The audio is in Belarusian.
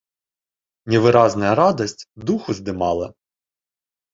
Невыразная радасць дух уздымала.